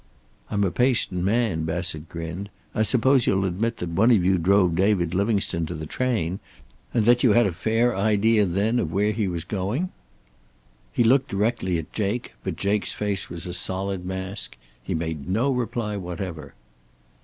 "I'm a patient man." Bassett grinned. "I suppose you'll admit that one of you drove David Livingstone to the train, and that you had a fair idea then of where he was going?" He looked directly at Jake, but Jake's face was a solid mask. He made no reply whatever.